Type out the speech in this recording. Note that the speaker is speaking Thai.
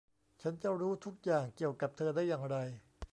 ฉันจะรู้ทุกอย่างเกี่ยวกับเธอได้อย่างไร ?